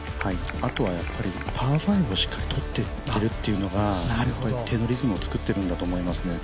あとはパー５をしっかりとっていけるというのが一定のリズムを作っていると思います。